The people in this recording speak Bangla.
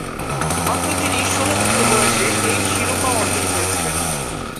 মাত্র তিনি ষোল বছর বয়সে এই শিরোপা অর্জন করেছিলেন।